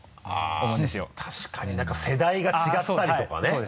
あぁ確かに何か世代が違ったりとかね。